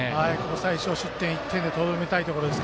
最少失点１点でとどめたいところです。